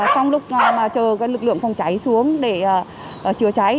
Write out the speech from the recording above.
trong lúc chờ lực lượng phòng cháy xuống để chữa cháy